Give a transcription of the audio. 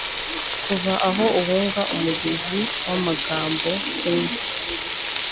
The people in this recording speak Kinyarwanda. Kuva aho uhunga umugezi wamagambo kimwe